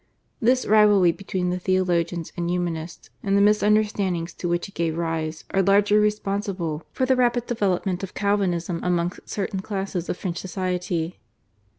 This rivalry between the Theologians and Humanists and the misunderstandings to which it gave rise are largely responsible for the rapid development of Calvinism amongst certain classes of French society.